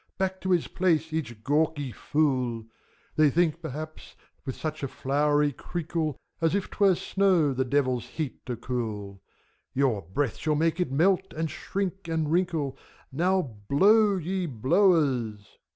Back to his place each gawky fool ! 246 FAUST. They think, perhaps, with such a flowery crinkle, As if 't were snow, the Devils' heat to cool : Your breath shall make it melt, and shrink, and wrinkle. Now blow, ye Blowers